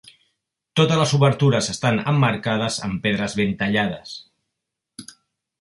Totes les obertures estan emmarcades amb pedres ben tallades.